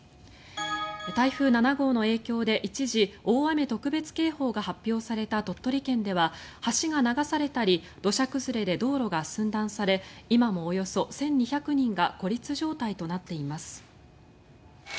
台風７号の影響で一時、大雨特別警報が発表された鳥取県では橋が流されたり土砂崩れで道路が寸断され今もおよそ１２００人が孤立状態となっています。